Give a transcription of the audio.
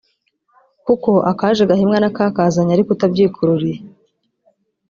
kuko akaje gahimwa n’akakazanye ariko utabyikururiye